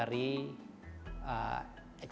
pertanyaan yang diberikan oleh